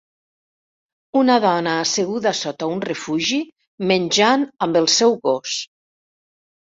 Una dona asseguda sota un refugi, menjant amb el seu gos.